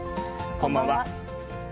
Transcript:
こんばんは。